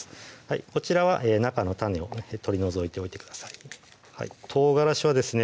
こちらは中の種を取り除いておいてください唐辛子はですね